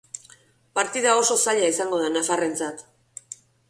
Partida oso zaila izango da nafarrentzat.